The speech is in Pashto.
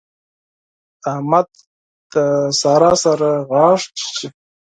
احمد له سارا سره غاښ چيچي.